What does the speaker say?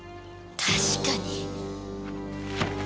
確かに！